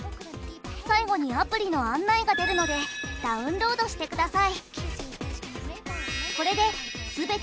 最後にアプリの案内が出るのでダウンロードしてください。